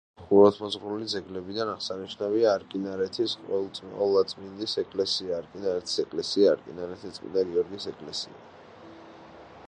ხუროთმოძღვრული ძეგლებიდან აღსანიშნავია: არკინარეთის ყველაწმინდის ეკლესია, არკინარეთის ეკლესია, არკინარეთის წმინდა გიორგის ეკლესია.